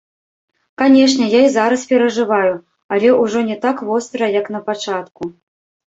Канешне, я і зараз перажываю, але ўжо не так востра, як на пачатку.